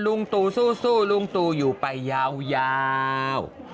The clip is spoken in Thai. ลุงตูสู้ลุงตูอยู่ไปยาว